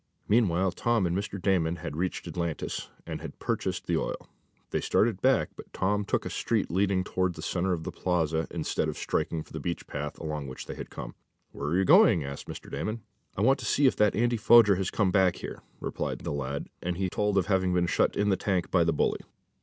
Meanwhile, Tom and Mr. Damon had reached Atlantis, and had purchased the oil. They started back, but Tom took a street leading toward the center of the place, instead of striking for the beach path, along which they had come. "Where are you going?" asked Mr. Damon. "I want to see if that Andy Foger has come back here," replied the lad, and he told of having been shut in the tank by the bully.